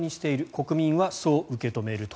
国民はそう受け止めると。